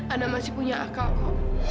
ana masih punya akal ma